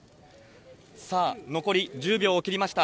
さあ、残り１０秒を切りました。